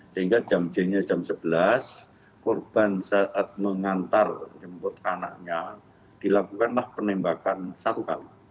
sehingga jam j nya jam sebelas korban saat mengantar jemput anaknya dilakukanlah penembakan satu kali